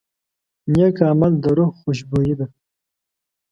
نیک عمل د روح خوشبويي ده.